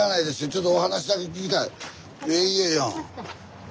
ちょっとお話だけ聞きたい。